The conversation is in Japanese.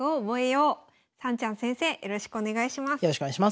よろしくお願いします。